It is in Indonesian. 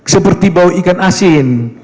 seperti bau ikan asin